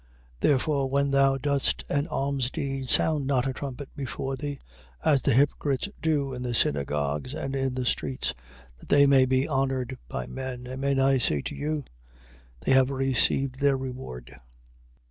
Therefore when thou dost an alms deed, sound not a trumpet before thee, as the hypocrites do in the synagogues and in the streets, that they may be honoured by men. Amen I say to you, they have received their reward.